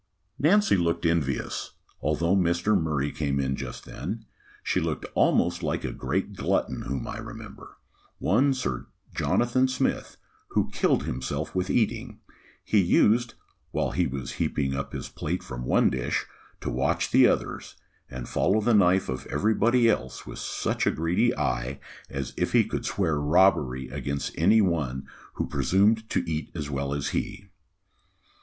Nancy looked envious, although Mr. Murray came in just then. She looked almost like a great glutton, whom I remember; one Sir Jonathan Smith, who killed himself with eating: he used, while he was heaping up his plate from one dish, to watch the others, and follow the knife of every body else with such a greedy eye, as if he could swear a robbery against any one who presumed to eat as well as he.